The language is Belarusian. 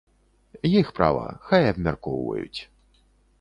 Іх права, хай абмяркоўваюць.